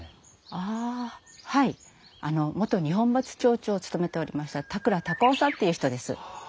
ああはい元二本松町長を務めておりました田倉孝雄さんっていう人です。